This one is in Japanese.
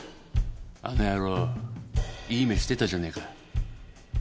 あの野郎いい目してたじゃねえか。